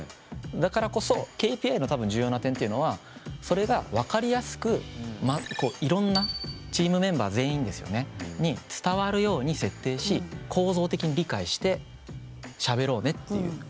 だからこそＫＰＩの多分重要な点っていうのはそれが分かりやすくいろんなチームメンバー全員ですよねに伝わるように設定し構造的に理解してしゃべろうねっていう。